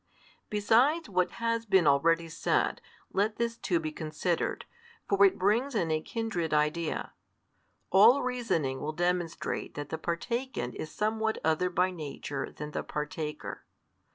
Besides what has been already said, let this too be considered, for it brings in a kindred idea: All reasoning will demonstrate that the partaken is somewhat other by nature than the partaker.